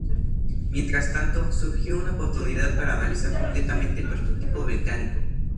Mientras tanto, surgió una oportunidad para analizar completamente el prototipo británico.